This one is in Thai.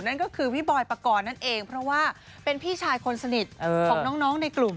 นั่นก็คือพี่บอยปกรณ์นั่นเองเพราะว่าเป็นพี่ชายคนสนิทของน้องในกลุ่ม